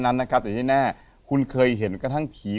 โปรดติดตามต่อไป